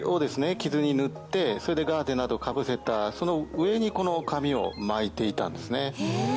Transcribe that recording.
傷に塗ってそれでガーゼなどかぶせたその上にこの紙を巻いていたんですね